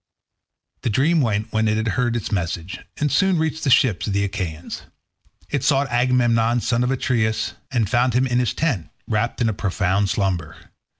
The dream went when it had heard its message, and soon reached the ships of the Achaeans. It sought Agamemnon son of Atreus and found him in his tent, wrapped in a profound slumber.